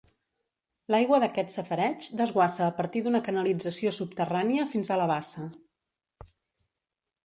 L'aigua d'aquest safareig desguassa a partir d'una canalització subterrània fins a la bassa.